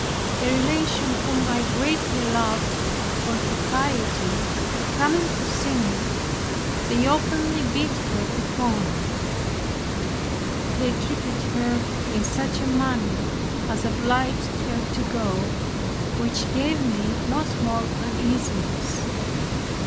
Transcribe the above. A relation whom I greatly loved for her piety, coming to see me, they openly bid her begone. They treated her in such a manner as obliged her to go, which gave me no small uneasiness.